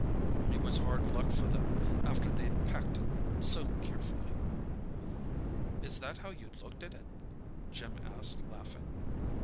It was hard luck for them, after they'd packed it so carefully." "Is that how you looked at it?" Jim asked, laughing.